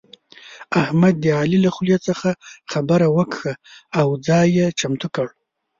احمد د علي له خولې څخه خبره وکښه او ځای يې چمتو کړ.